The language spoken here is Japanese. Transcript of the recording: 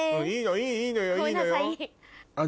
いいのよいいのよ。